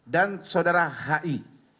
dan saudara hi